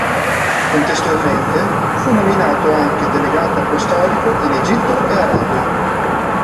Contestualmente fu nominato anche delegato apostolico in Egitto e Arabia.